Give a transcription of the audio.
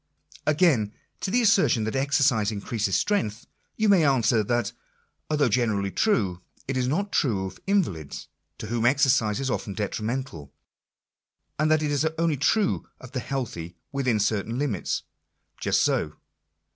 Again, to the assertion that exercise increases strength — you may answer, that although generally true, it is not true of invalids, to whom exercise is often detrimental ; and that it is only true of the healthy within certain limits. Just so.